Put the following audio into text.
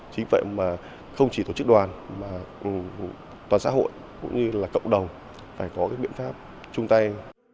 chính vậy mà không chỉ tổ chức đoàn mà toàn xã hội cũng như là cộng đồng phải có cái biện pháp chung tay